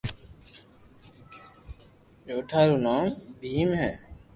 چوٿا رو نوم ڀيم ھي